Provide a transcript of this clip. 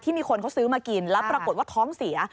มีคนเขาซื้อมากินแล้วปรากฏว่าท้องเสีย